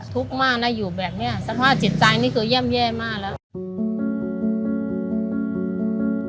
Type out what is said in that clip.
ทุกข์มาน่ะอยู่แบบนี้สักครู่ว่าจิตใจนี่คือเยี่ยมแย่มากแล้ว